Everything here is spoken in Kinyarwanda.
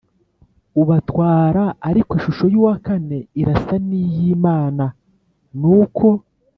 ubatwara Ariko ishusho y uwa kane irasa n iy imana Nuko